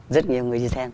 rất nhiều người đi xem